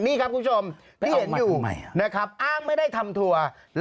นี่ครับคุณผู้ชมที่เห็นอยู่นะครับอ้างไม่ได้ทำทัวร์